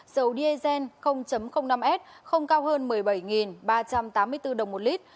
dầu diesel năm s không cao hơn một mươi bảy ba trăm tám mươi bốn đồng một lít